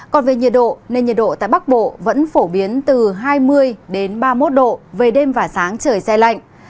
còn về nhiệt độ nền nhiệt độ tại bắc bộ vẫn phổ biến từ hai mươi ba mươi một độ về đêm và sáng trời xe lạnh